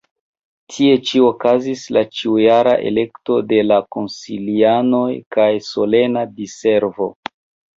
Tie ĉi okazis la ĉiujara elekto de la konsilianoj kaj solena diservo.